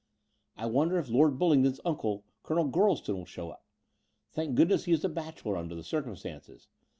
I wonder if Lord BuUing don's uncle, Colonel Gorleston, will turn up? Thank goodness he is a bachelor, under the circum stances!